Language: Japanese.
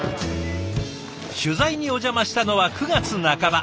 取材にお邪魔したのは９月半ば。